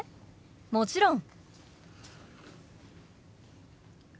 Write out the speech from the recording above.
もちろん！